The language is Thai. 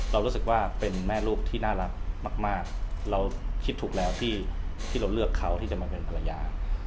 เรารู้สึกว่าเป็นแม่ลูกที่น่ารักมากเราคิดถูกแล้วที่เราเลือกเขาที่จะมาเป็นภรรยา